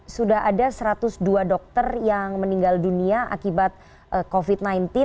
sudah ada satu ratus dua dokter yang meninggal dunia akibat covid sembilan belas